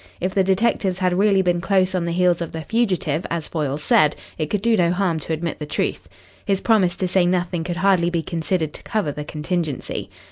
If the detectives had really been close on the heels of the fugitive, as Foyle said, it could do no harm to admit the truth. His promise to say nothing could hardly be considered to cover the contingency.